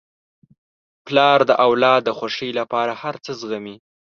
پلار د اولاد د خوښۍ لپاره هر څه زغمي.